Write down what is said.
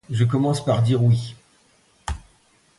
Je commence par dire oui.